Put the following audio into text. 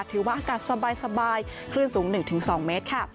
อากาศสบายคลื่นสูง๑๒เมตรค่ะ